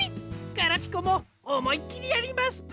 ガラピコもおもいっきりやりますぷ！